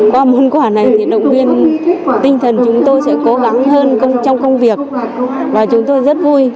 qua món quà này thì động viên tinh thần chúng tôi sẽ cố gắng hơn trong công việc và chúng tôi rất vui